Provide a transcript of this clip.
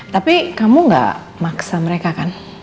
tapi kamu gak maksa mereka kan